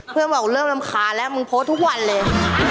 เพื่อนบอกเริ่มรำคาญแล้วมึงโพสต์ทุกวันเลย